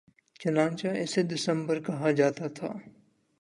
چنانچہ اسے دسمبر کہا جاتا تھا